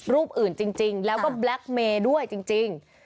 รูปอื่นจริงแล้วก็แบล็คเมย์ด้วยจริง